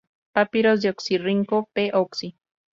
Papiros de Oxirrinco, "P. Oxy.